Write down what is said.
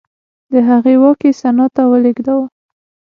د هغې واک یې سنا ته ولېږداوه